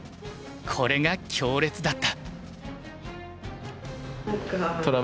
これが強烈だった。